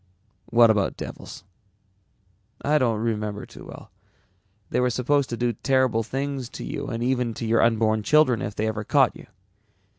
"What about devils?" "I don't remember too well, but they were supposed to do terrible things to you and even to your unborn children if they ever caught you.